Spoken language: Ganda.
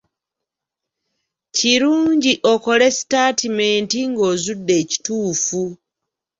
Kirungi okole sitaatimenti ng'ozudde ekituufu.